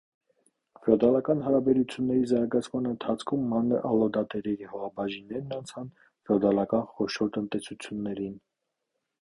Ֆեոդալական հարաբերությունների զարգացման ընթացքում մանր ալլոդատերերի հողաբաժիններն անցան ֆեոդալական խոշոր տնտեսություններին։